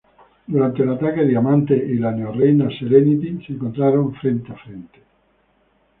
Durante el ataque, Diamante y la Neo Reina Serenity se encontraron frente a frente.